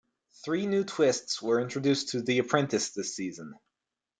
Three new twists were introduced to "The Apprentice" this season.